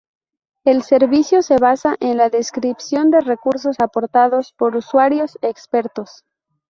El servicio se basa en la descripción de recursos aportados por usuarios expertos.